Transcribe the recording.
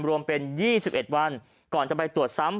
รวมเป็น๒๑วันก่อนจะไปตรวจซ้ำ